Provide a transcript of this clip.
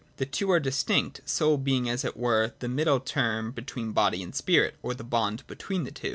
The two are distinct, soul being as it were the middle term between body and spirit, or the bond between the two.